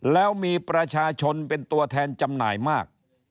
แล้วมีประชาชนเป็นตัวแทนจำหน่ายมาก